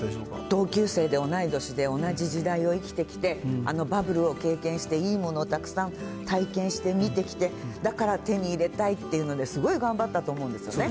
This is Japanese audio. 同級生で同い年で、同じ時代を生きてきて、あのバブルを経験して、いいものをたくさん体験して、見てきて、だから手に入れたいっていうので、すごい頑張ったと思うんですよね。